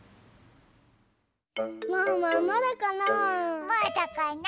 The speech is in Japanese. ワンワンまだかな？